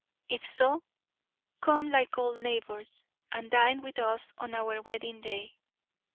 If so, come like old neighbours, and dine with us on our wedding day.